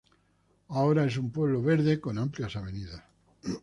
Ahora es un pueblo verde con amplias avenidas.